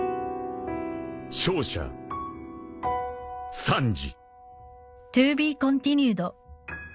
［勝者サンジ］